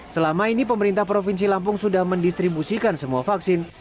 selama ini pemerintah provinsi lampung sudah mendistribusikan semua vaksin